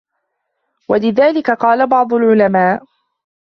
وَلِذَلِكَ قَالَ بَعْضُ الْعُلَمَاءِ